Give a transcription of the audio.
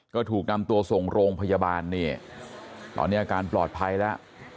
ก็ถูกนำตัวส่งโรงพยาบาลนี่ตอนนี้อาการปลอดภัยแล้ว